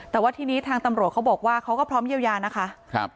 แต่ว่าทีนี้ทางตำรวจเขาบอกว่าเขาก็พร้อมเยียวยานะคะ